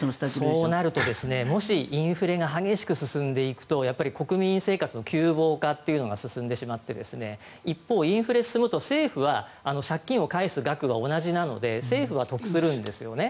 そうなるともしインフレが激しく進んでいくと国民生活の窮乏化進んでしまってインフレになると政府は借金を返す額は同じなので政府は得するんですよね。